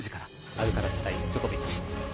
アルカラス対ジョコビッチ。